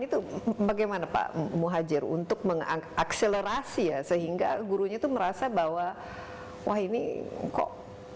itu bagaimana pak muhajir untuk mengakselerasi ya sehingga gurunya itu merasa bahwa wah ini kok